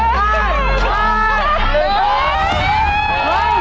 ข้าวสุดครับ